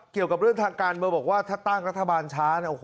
เกี่ยวกับเรื่องทางการเมืองบอกว่าถ้าตั้งรัฐบาลช้าเนี่ย